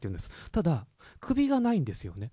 ただ、首がないんですよね。